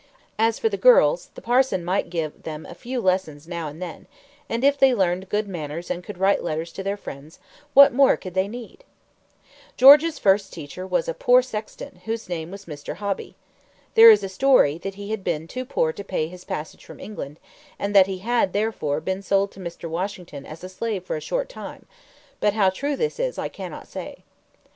As for the girls, the parson might give them a few lessons now and then; and if they learned good manners and could write letters to their friends, what more could they need? George Washington's first teacher was a poor sexton, whose name was Mr. Hobby. There is a story that he had been too poor to pay his passage from England, and that he had, therefore, been sold to Mr. Washington as a slave for a short time; but how true this is, I cannot say.